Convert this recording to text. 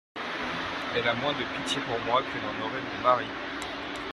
Elle a moins de pitié pour moi que n'en aurait mon mari.